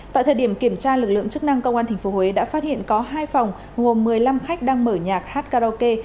tại thời điểm kiểm tra lực lượng chức năng công an tp huế đã phát hiện có hai phòng gồm một mươi năm khách đang mở nhạc hát karaoke